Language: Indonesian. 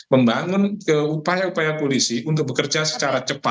membangun upaya upaya polisi untuk bekerja secara cepat